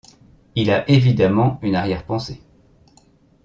Il a évidemment une arrière-pensée.